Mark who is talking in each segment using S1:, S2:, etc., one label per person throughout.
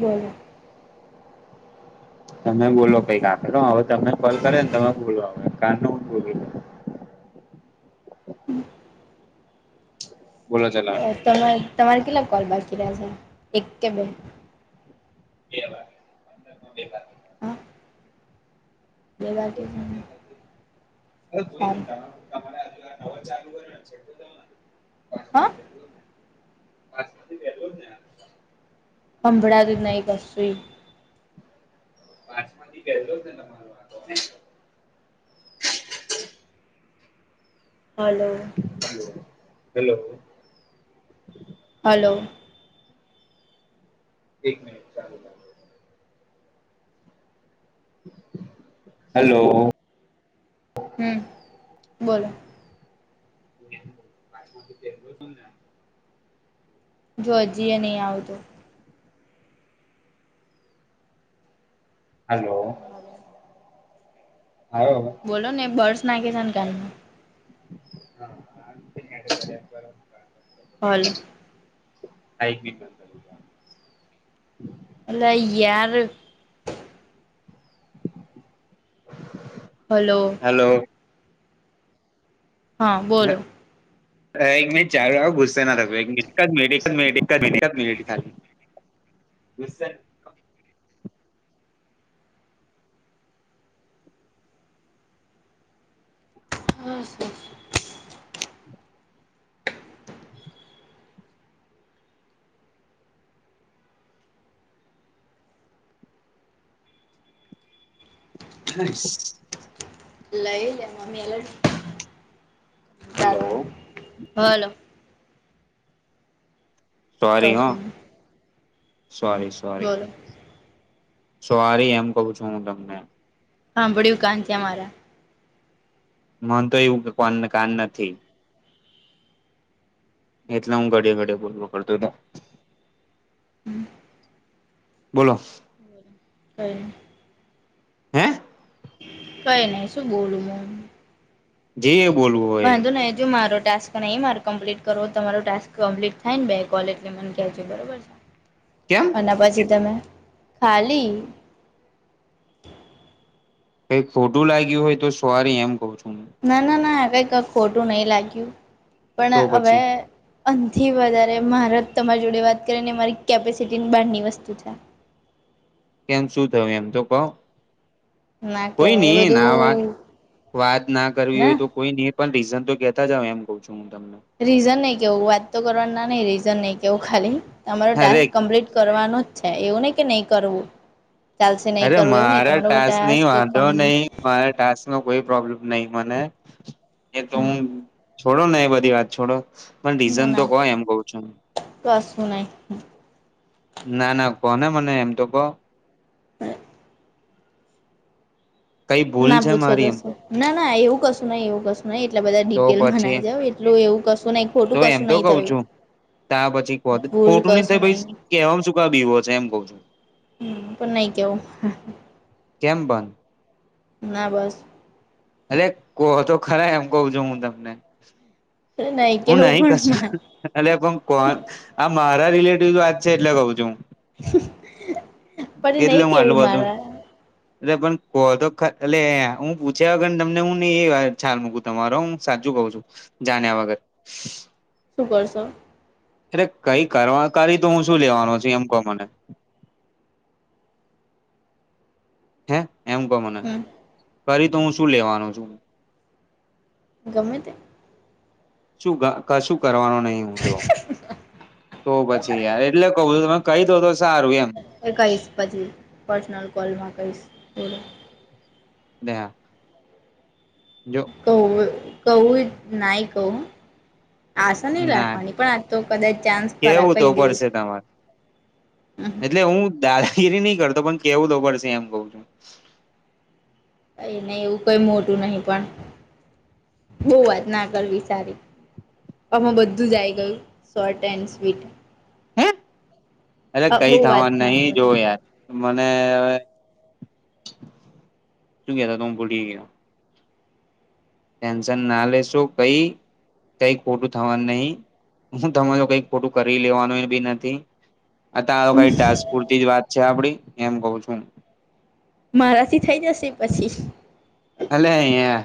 S1: બોલો.
S2: તમે બોલો કઈક આપે તો હવે તમને કોલ કરે ને તમે બોલો હવે કાન ન હ બોલ. બોલો ચલાનું.
S1: તમા તમારે કેટલા કોલ બાકી રહ્યા છે એક કે બે?
S2: બે બાકી છે બે બાકી છે.
S1: હા બે બાકી છે
S2: અ કોઈ ન
S1: સારું
S2: ને નવ ચાલુ કર્યો છે.
S1: હા?
S2: પા [unintelligible]
S1: હંભડા દ ન કસુઈ.
S2: પાછ માંથી ગ ને તમાર વા [unintelligible]
S1: હલો.
S2: હેલો.
S1: હલો.
S2: એક મિનીટ. હેલો.
S1: હમ બોલો.
S2: [unintelligible]
S1: જો હજીય નહી આવ તો.
S2: હલો.
S1: હાલ.
S2: હાલો.
S1: બોલો ને બર્ડસ નાખે છેને કાનમાં.
S2: હ [unintelligible]
S1: હાલ.
S2: હ બી [unintelligible]
S1: અ યાર. હલો.
S2: હલો.
S1: હા બોલો.
S2: એક મિનટ ચાર ગુસશે એક એક મિટ મનટ મ મનિટ ખાલી. દ [unintelligible]
S1: હા સર [unintelligible]
S2: હાસ.
S1: લઈ લે મમ્મી એલ,
S2: હલો
S1: ચાલવાનું, હલો.
S2: સરી
S1: કશું
S2: હા
S1: નહીં
S2: સોરી, સોરી
S1: બોલો
S2: સોરી એમ કહું છું હું તમને
S1: હા બડી ઉુકાાન છે અમારા
S2: મન તો એવું કો કાન નથી. એલે હું ઘડે ઘડ બોલવ કરતો
S1: [inaudible]
S2: બોલો
S1: હ
S2: હા
S1: કઈ નહી શું બોલું
S2: જી બોલવો
S1: વાંધો નહી જોુ મારો ટાસ્ક તો ન એ મારે કમ્પ્લીટ કરો તમારો ટાક કમ્પ્લીટ થાય ને બે કોલ એટલે મને કેલ છે બરોબર છે.
S2: કેમ?
S1: અને પછી તમે ખાલી
S2: કઈ ખોટું લાગ્યું હોય તો સવારી એમ કઉ છું.
S1: ના ના ના આ કંઈકઈ ખોટું નહી લાગ્યું.
S2: તો
S1: પણ હવે
S2: પછી
S1: અનથી વધારે મારેત તમારી જોડે વાત કરીે ને મારી કેપેસિટી બહારની વસ્તુ છે..
S2: કેમ શું થયું એમ તો કો
S1: ના
S2: કોઈ
S1: કેવાય
S2: નહ
S1: એ
S2: ના વાત,
S1: બધું
S2: વાત ના કરવી હોય તો કોઈ નઈ પણ રીઝન તો કેહેતા જ એમ કઉ છું હું તમને.
S1: રીઝન નહી કેવું વાત તો કરવા ના નહી રીઝન નહી કેવું ખાલી તમારો
S2: અરે
S1: ટાસ્ક કમ્પ્લીટ કરવાનું જ છે. એવું નહ કે નહી કરવું ચાલશે નહીં
S2: અરે
S1: કરવું એવું નહી
S2: મારા
S1: તમારો
S2: ટાસ્ક નની. વાંધો
S1: કમ
S2: નહીિ મારા ટાસ્ કોઈ પ્રોબ્લેમ નહી મને એ તો હું છોડોને એ બધી વાત છોડો. પણ
S1: ના
S2: રીઝન તો
S1: ના
S2: કો એમ કઉ છોને.
S1: કશું નહી
S2: ના, ના કોો ને મને એમ તો કો કઈ ભૂલ
S1: ના
S2: છે
S1: પૂછો
S2: મારી એમ
S1: જશે
S2: તો
S1: ના, ના એવું કશું નઈિ, એવું કશું નહી એટલા બધા
S2: તો
S1: ડિટેલ મના
S2: પછી
S1: જાાવ એટલું એવું કશું નહીિ ખોટું કશું નહી થયું.
S2: ત્યા પછી
S1: ભૂલ
S2: ખોટું નહ
S1: કશું
S2: થાય
S1: નહી
S2: કેવામ શું ક બીવો છે એમ કઉ છું.
S1: હ પરનેગ્યો
S2: કેમ્બન.
S1: ના બસ.
S2: અરે કોહો તો ખરા એમ કહ છું હું તમને. હું
S1: કેવું
S2: નહી કશ
S1: પણ
S2: અ પણ કોણ આ મારા રિલેટિવ વાત છે એટલે કઉ છું.
S1: પ નહીિ કેવી મારા.
S2: અ પણ કહો તો એટલે હું પૂછ્યા તમને હું નહી એ વા છાલ મૂકું તમારો હું સાચું કઉ છું. જાણ વગર
S1: શું કરરશો.
S2: અરે કઈ કરવા કરીી તો હું શું લેવાનો છ એમ કહ મને હે એમ ક મને
S1: હમ
S2: કરી તો હું શું લેવાનો છું.
S1: ગમે તે.
S2: શું કશું કરવાનું નહીિ. જો તો પછી યાર એટલે ક તમે કહી દ તો સારું એ.
S1: એકઇસ પચીસ પર્સનલ કોૉલ ભ કસ પૂરો
S2: દ, જો
S1: કહ, કહું નાહી કહું આશા નહી
S2: ના
S1: રાખવાની પણ આ તો કદાચ ચાન્સ ખરા
S2: કેવું તો
S1: કહી દઈશ
S2: પડશે તમારે એટલે હું દાદાગીરી નહી કરતો પણ કેવું દબર છે એમ ક છું.
S1: ક નહી એવું કઈ મોટું નહિ પણ બહ વાત ના કરવી સારી. આમાં બધું જ આયી ગયું સોર્ટ એન્ડ સ્વીટ
S2: અરે કઈ
S1: બહુ વાત
S2: થવાનું
S1: ના
S2: નહી
S1: કરો
S2: જો યાર મને શું કેતો તો ભૂલી ગયો ટેન્શન ના લેશો કઈ કઈ ખોટું થવાનું નહી હું તમારે કઈક ખોટું કરી લેવાનું બી નથી આ તો આ લોકો ની ટાસ્ક પૂરતી જ વાત છે આપડી એમ કઉ છું
S1: મારા થી થઈ જશે પછી
S2: અ લે યા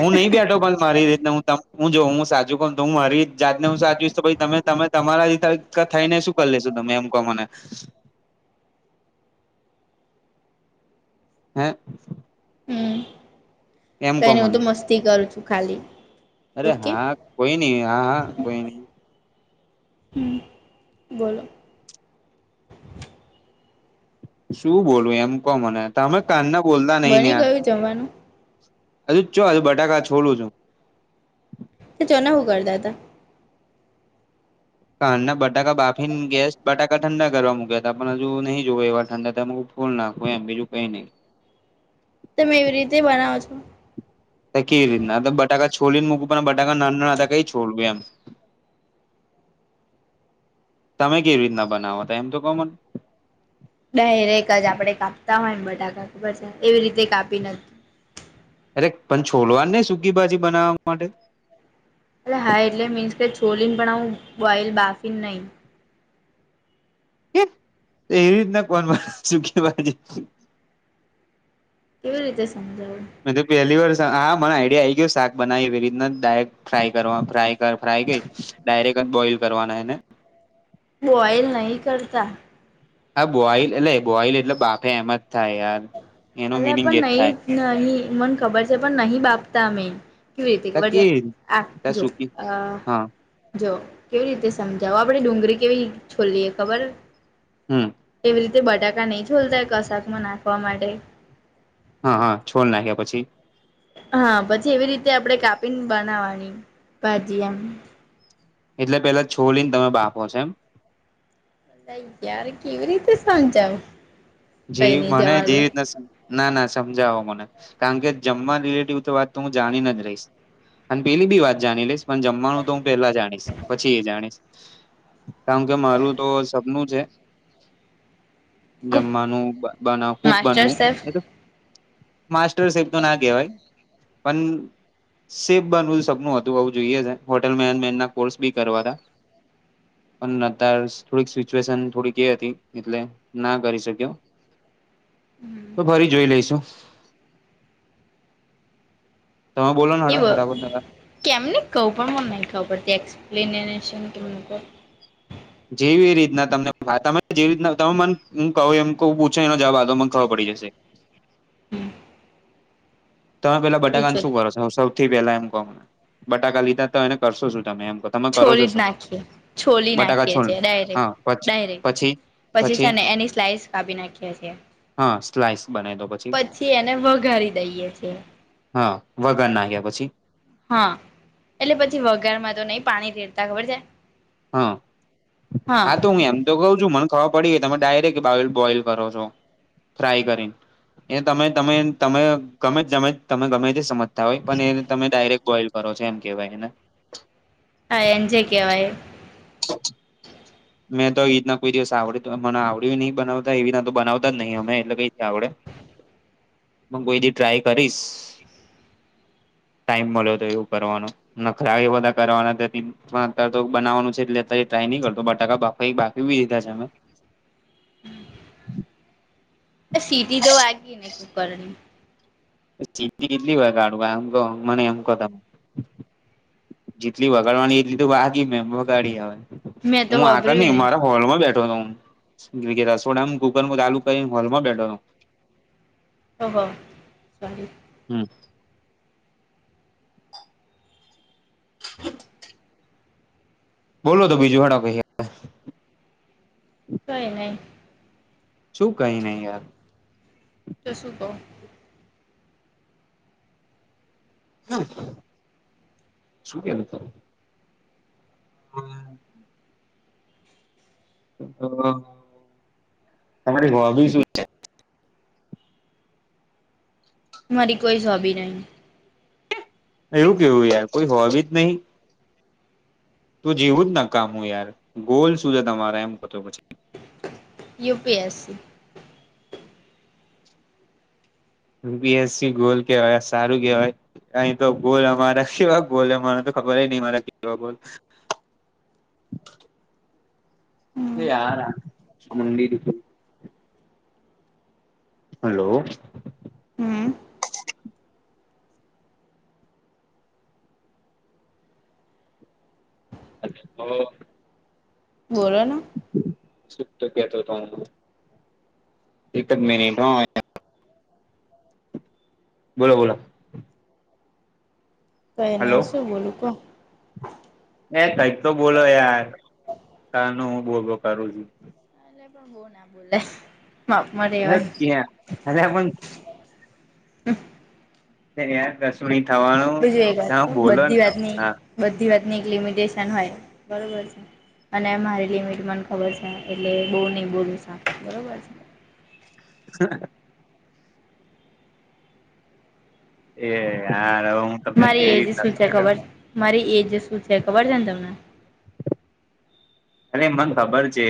S2: હું નહી બેઠો પણ મારી રીતતે હ હું જો હું સાચું કોણ હું મારી જાતને હું સાચવીશ તમે તમે તમારા ત થઈને શું કરી લેશુ તમે એમ કહો મને હે
S1: હમ
S2: એમ
S1: તો
S2: કહો
S1: એને હું તો
S2: મને
S1: મસ્તી કરું છું ખાલી
S2: અરે
S1: ઓકે
S2: હા કોઈ નહી હા હા કોઈ નઈ
S1: હમ બોલો
S2: શું બોલવું એમ કો મને તમે કાનના બોલતા નહી ને
S1: બની
S2: યાર
S1: ગયું જમવાનું
S2: હજુ ચો હજુ બટાકા છોડું છું
S1: જો ના હુ કરતા તા
S2: કરના બટાકા બાફીને ગેસ બટાકા ઠંડા કરવા મૂક્યા હતા પણ હજુ નહી જોવે એવા ઠંડા થયાં ફૂલ નાખુ એમ બીજું કઈ નઈ
S1: તમે એવી રીતે બનાવો છો
S2: કેવી રીતના આ તો બટાકા છોડીને મૂકું પણ બટાકા ના ના હતા તો કઈ છોડવું એમ
S1: [inaudible]
S2: તમે કેવી રીતના બનાવો એમ તો કો મને
S1: ડાયરેક જ આપડે કાપતા હોયને બટાકા ખબર છે એવી રીતે કાપી ને
S2: અરે પણ છોલવાના ની સૂકી ભાજી બનાવવા માટે
S1: અ હા એટલે મીન્સ કે છોલીને પણ આવું બોઈલ બાફીને નઈ
S2: કે એ રીતના કોણ બનાવે સૂકી ભાજી
S1: કેવી રીતે સમજાવું
S2: મે તો પહેલી વાર હા મને આઈડિયા આ આવી ગયો શાક બનાવી એવી રીતના ડાયક ફ્રાય કરવા ફ્રાય ફ્રાય કઈ ડાયરેક્ટ જ બોઇલ કરવાના એને
S1: બોઈલ નહી કરતા
S2: હા બોઇલ એટલે બોઇલ એટલે બાફે એમ જ થાય યાર એનો
S1: અલા
S2: મિનિંગ એ જ
S1: પણ
S2: થાય
S1: નહી નહી મને ખબર છે પણ નહીં બાફતા અમે કેવી રીતે
S2: ત
S1: ખબર છે
S2: કે
S1: આપ
S2: ત
S1: જો
S2: સુકી હા
S1: જો કેવી રીતે સમજાવો આપડે ડુંગળી કેવી છોલીએ ખબર
S2: હમ
S1: એવી રીતે બટાકા નહી છોલતા કશાકમાં નાખવા માટે
S2: હા હા છોલ નાખ્યા પછી
S1: હા પછી એવી રીતે આપણે કાપીને બનાવાની ભાજી એમ
S2: એટલે પેલા છોલી ને તમે બાફો છે એમ
S1: તય યાર કેવી રીતે સમજવું
S2: જેવી મને જેવી રીતના સ ના ના સમજાવો મને કારણ કે જમવા રિલેટિવ તો વાત તો હું જાણી ને જ રહીશ અને પેલી બી વાત જાણી લઈશ પણ જમવાનું તો હું પેલા જાણીશ પછી એ જાણીશ કારણ કે મારું તો સપનું છે
S1: કુક
S2: જમવાનું બનાવ ખુબ
S1: માસ્ટર
S2: બનવું
S1: શેફ
S2: માસ્ટર ચેફ તો ના કેવાય પણ સેફ બનવું સપનું હતું હવે જોઈએ છે હોટેલ મેનેજમેન્ટ ના કોર્સ બી કરવાતા પણ નતાર થોડીક સિચ્યુએશન થોડીક એ હતી એટલે ના કરી શક્યો તો ફરી જોઈ લઈશું તમે બોલો હેડો
S1: એવો
S2: ફટાફટ ના
S1: કેમને કેવુ પણ મને નહિ ખબર એક્સપ્લેનેશન કે એ લોકો નું
S2: જેવી રીતના તમને તને જેવી રીતના તમે મને કહું એમ કઉ પૂછો એનો જવાબ આપ હવે મને ખબર પડી જશે.
S1: હમ્મ.
S2: તમે પેલા બટાકાને શું કરો છો સૌથી પેલા એમ કહો ને બટાકા લીધા તો એને કરશો શું તમે એમ કો
S1: છોલી જ નાખીએ છોલી નાખીએ
S2: છોલ
S1: છીએ ડાયરેક્ટ
S2: હા પછી
S1: ડાયરેક્ટ
S2: પછી
S1: પછી છે ને એની સ્લાઇસ કાપી નાખીએ છીએ
S2: હા સ્લાઇસ બનાવી દો પછી
S1: પછી એને વઘારી દઈએ છીએ
S2: હા વગાર નાખ્યા પછી
S1: હા એટલે પછી વગારમાં તો નહી પાણી તેરતા ખબર છે
S2: હા હા તો હું એમ તો કહું છું મને ખબર પડી તમે ડાયરેક્ટ બોઇલ કરો છો ફ્રાય કરીને એ તમે તમે તમે ગમે મે તમે ગમે તે સમજતા હોય પણ એને તમે ડાયરેક્ટ બોઈલ કરો છે એમ કેહેવાય એને
S1: હા એમ જે કે એ
S2: [inaudible] મેં તો એ રીતના કોઈ દિવસ આવડયુ મને આવડ્યું નહી બનાવતા એવીના તો બનાવતા જ નહીં અમે એટલે કઈથી આવડે
S1: [inaudible]
S2: હું કોઈ દી ટ્રાય કરીશ
S1: [inaudible]
S2: ટાઈમ મળ્યો તો એવું કરવાનો નખરા એ બધા કરવાના અત તો બનાવાનું છે એટલે અત્યારે ટ્રાય નહી કરતો બટ બટાકા બાફી બી દીધા છે અમે
S1: સીટી તો વાગી ને કુકરની
S2: સીટી કેટલી હોય કાઢવા એમ મને એમ કો તો જેટલી વગાડવાની એટલી તો વાગી મે વગાડી હવે
S1: મેં તો
S2: હું આગળ
S1: હોભર્યું
S2: નઈ
S1: નહી
S2: મારા હોલ માં બેઠોનો રસોડામ ગુગલમાં ચાલુ કરી હોલ માં બેઠો હું
S1: શું કો સારું
S2: હમ્મ. બોલો તો બીજુ હેડો ભઈ હા [inaudible]
S1: કઈ નહી
S2: શું કઈ નહી યાર
S1: તો શું કઉ
S2: ન કઉ શું કેઉ તું બોલ ને [unintelligible] તારી હોબી શું
S1: મારી કોઈ હોબી નહી
S2: એવું કેવું યાર કોઈ હોવી જ નહી. તું જીવું જ ના કામ હું યાર ગોલ શું છે તમારે એમ કોતો પછી
S1: UPSC
S2: UPSC goal કેવાય સારું કેવાય કાહીં તો ગોલ અમારા કેવાય ગોલ અમારા તો ખબર નહું મારા કેવા ગોલ શું
S1: હમ
S2: યાર મુડી હલો.
S1: હમ
S2: હ હો
S1: બોલો ને
S2: સુ કેતો તો હતો એક જ મિનિટ હો. બોલો બોલો.
S1: તો એને શું
S2: હલો
S1: બોલું કો.
S2: એ કઈક તો બોલો યાર ક ન હું બોલવો કરું છું.
S1: કો ના બોલાય. માપમાં
S2: હ
S1: રેવાય
S2: ક અરે પણ અરે યાર કશું નહિ થવાનું
S1: બીજું એક વાત
S2: તમ
S1: કહું
S2: બોલો
S1: બધી
S2: ને
S1: વાતની
S2: હા.
S1: બધી વાતની એક લિમિટેશન હોય બરોબર છે. અને મારી લિમિટ મને ખબર છે એટલે બહુ નહીં બોલું સારું બરોબર છે.
S2: હ એ હાર હું. તમને
S1: મારી
S2: કેવી
S1: એજ
S2: રીતના
S1: શું છે
S2: સમજાવ
S1: ખબર મારી એજ શું છે ખબર છે ને તમને
S2: અ મને ખબર છે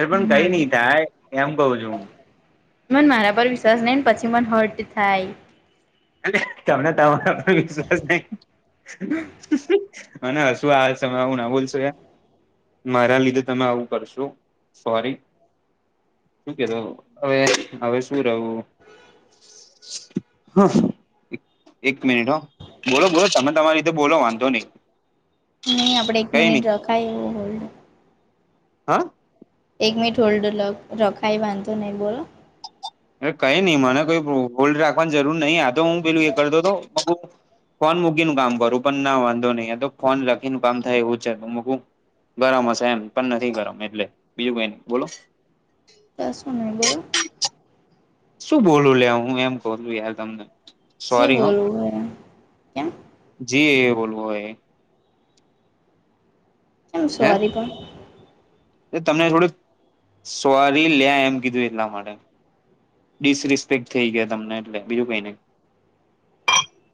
S2: એ પણ કઈ
S1: હમ
S2: નઈ થાય. કેમ કુંહુ છું.
S1: મન મારા પર વિશ્વાસ નઈ ને પછી મન હર્ટ થાય.
S2: અને તમને તમારો પર વિશ્વાસ નહી. મને હશું આવે છે એવુ ના બોલશો યાર. મારા લીધે તમે આવું કરશો સોરી. શું કેતો હવે હવે શું રહું. હ એક મિનિટ હ બોલો બોલો તમે તમારી રીતે બોલો વાંધો નહી.
S1: નહી આપડે એક
S2: કઈ નઈ
S1: મિનિટ રખાય એવું બોલુ.
S2: હા.
S1: એક મીઠ હોલ્ડ લગ રખાય બાંધો નહી બોલો
S2: કઈ નહી મને કોઈ બો હોલ્ડ રાખવાની જરૂર નહી આ તો હું પેલું એ કરતો હતો. ફોન મૂકી ની હું કામ કરું પણ ના વાંધો નહી તો ફોન લખીને કામ થાય એવું છે તો મૂકું. ગરમ હશે એમ પણ નથી ગરમ એટલે બીજું કઈ ન બોલો.
S1: કશું નહિ બોલો.
S2: શું બોલું લે હું એમ કહું યાર તમને.
S1: જે
S2: સોરી
S1: બોલું હે એમ કેમ.
S2: જી એ બોલવું એ.
S1: કમ સોરી પણ
S2: એ તમને થોડું સોરી લે એમ કીધું એટલા માટે ડિસરિસ્પક્ટ થઈ ગયા તમને એટલે બીજું કઈ નહી.